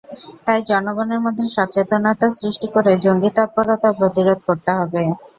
তাই জনগণের মধ্যে সচেতনতা সৃষ্টি করে জঙ্গি তৎপরতা প্রতিরোধ করতে হবে।